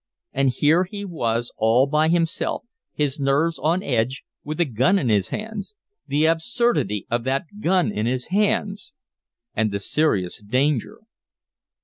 And here he was all by himself, his nerves on edge, with a gun in his hands. The absurdity of that gun in his hands! And the serious danger.